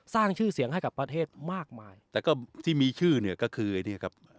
สร้างชื่อเสียงให้กับประเทศมากมายแต่ก็ที่มีชื่อเนี่ยก็คือไอ้นี่ครับ